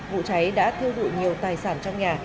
vụ cháy đã thiêu dụi nhiều tài sản trong nhà